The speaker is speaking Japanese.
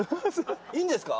いいんですか？